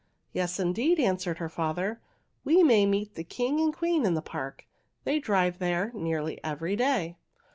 "Yes, indeed!" answered her father. "We may meet the king and queen in the park. They drive there nearly every day."